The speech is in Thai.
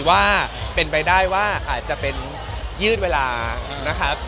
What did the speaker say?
ว่าเป็นไปได้ว่าอาจจะเป็นยืดเวลานะครับ